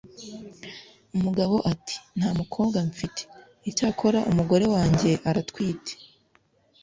Umugabo ati:"Nta mukobwa mfite, icyakora umugore wange aratwite